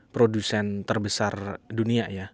produsen terbesar dunia ya